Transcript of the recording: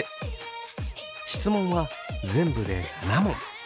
質問は全部で７問。